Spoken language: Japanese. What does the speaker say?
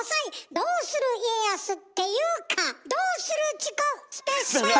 『どうする家康』っていうか『どうするチコ』スペシャル」！